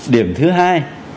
điểm thứ hai